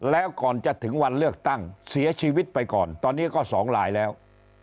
แล้วก่อนจะถึงวันเลือกตั้งเสียชีวิตไปก่อนตอนนี้ก็๒ลายแล้ว